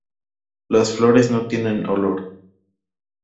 Las flores no tienen olor.